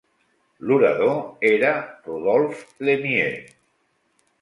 L'orador era Rodolphe Lemieux.